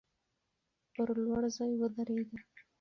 پر لوړ ځای ودریږه.